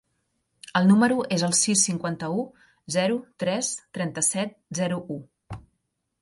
El meu número es el sis, cinquanta-u, zero, tres, trenta-set, zero, u.